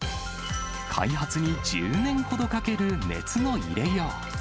開発に１０年ほどかける熱の入れよう。